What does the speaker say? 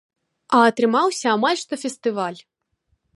А атрымаўся амаль што фестываль.